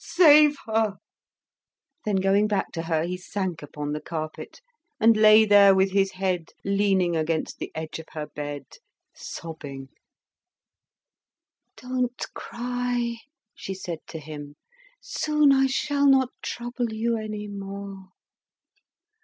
save her!" Then going back to her, he sank upon the carpet, and lay there with his head leaning against the edge of her bed, sobbing. "Don't cry," she said to him. "Soon I shall not trouble you any more."